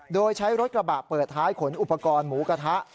โดยใช้รถกระบะเปิดท้ายขนอุปกรณ์หมูกระทะ